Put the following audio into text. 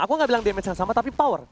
aku nggak bilang damage yang sama tapi power